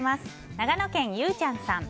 長野県の方。